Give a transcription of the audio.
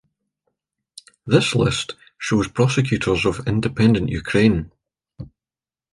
This list shows prosecutors of independent Ukraine.